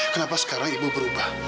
kenapa sekarang ibu berubah